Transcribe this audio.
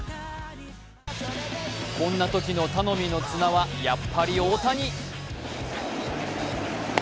こんなときの頼みの綱はやっぱり大谷。